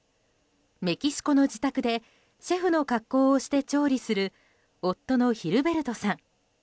メキシコの自宅でシェフの格好をして調理する夫のヒルベルトさん。